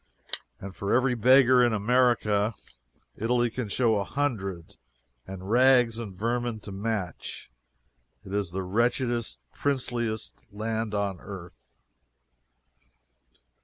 And for every beggar in America, Italy can show a hundred and rags and vermin to match. It is the wretchedest, princeliest land on earth.